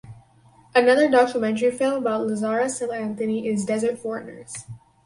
Another documentary film about Lazarus El Anthony is "Desert Foreigners".